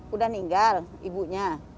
udah ninggal ibunya